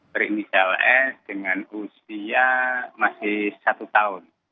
berinisial s dengan usia masih satu tahun